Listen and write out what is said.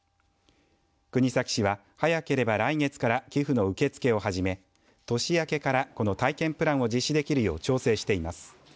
国東市は、早ければ来月から寄付の受け付けを始め年明けからこの体験プランを実施できるよう調整しています。